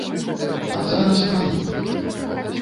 А зараз пра нумар.